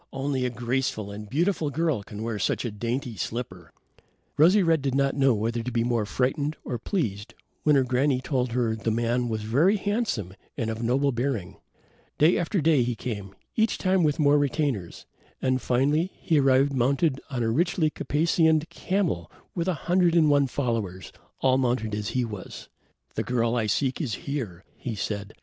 Only a graceful and beautiful girl can wear such a dainty slipper." Rosy red did not know whether to be more frightened or pleased, when her granny told her the man was very handsome and of noble bearing. Day after day he came, each time with more retainers, and, finally, he arrived mounted on a richly caparisoned camel with a hundred and one followers, all mounted as he was. "The girl I seek is here," he said.